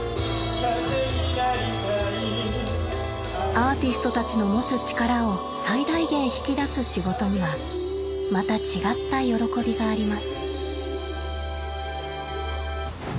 アーティストたちの持つ力を最大限引き出す仕事にはまた違った喜びがあります。